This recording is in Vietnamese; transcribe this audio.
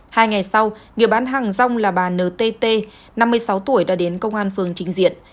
hai ngày sau người bán hàng rong là bà ntt năm mươi sáu tuổi đã đến công an phường trình diện